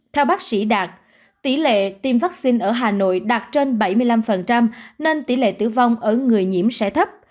theo bác sĩ đạt tỷ lệ tiêm vaccine ở hà nội đạt trên bảy mươi năm nên tỷ lệ tử vong ở người nhiễm sẽ thấp